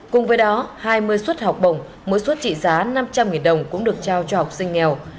cùng với đó hai mươi suất học bổng mỗi suất trị giá năm trăm linh đồng cũng được trao cho học sinh nghèo